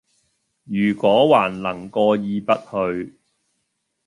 如果還能過意不去，……